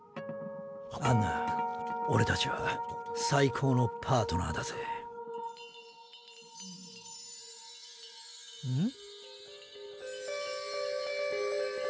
アンナオレたちは最高のパートナーだぜん？